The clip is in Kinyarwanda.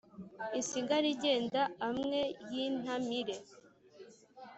isigare igenda amwe y' intamire